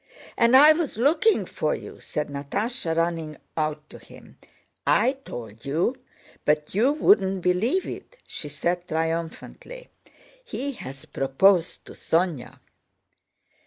"And I was looking for you," said Natásha running out to him. "I told you, but you would not believe it," she said triumphantly. "He has proposed to Sónya!"